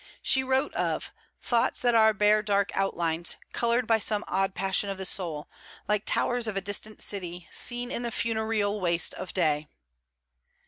She wrote of; 'Thoughts that are bare dark outlines, coloured by some odd passion of the soul, like towers of a distant city seen in the funeral waste of day.'